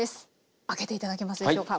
開けて頂けますでしょうか。